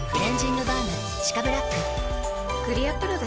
クリアプロだＣ。